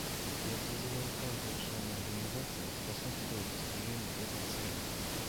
Я призываю каждого члена Организации способствовать достижению этой цели.